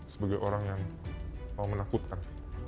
sebagai orang yang menakutkan